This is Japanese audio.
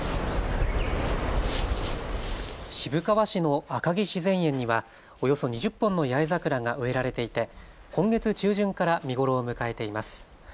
渋川市の赤城自然園にはおよそ２０本の八重桜が植えられていて今月中旬から見頃を迎えています。